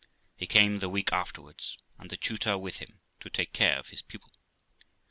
He came the week afterwards, and the tutor with him, to take care of his pupil.